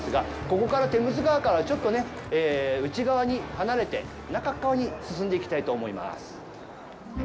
ここから、テムズ川からちょっとね、内側に離れて、中側に進んでいきたいと思います。